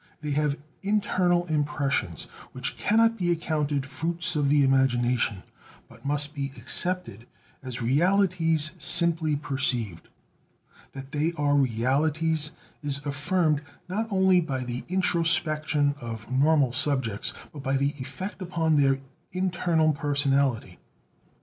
They have internal impressions which cannot be accounted fruits of the imagination, but must be accepted as realities simply perceived. That they are realities is affirmed not only by the introspection of normal subjects, but by the effect upon their internal personality.